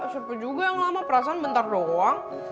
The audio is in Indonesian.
suku juga yang lama perasaan bentar doang